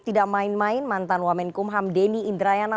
tidak main main mantan wamen kumham denny indrayana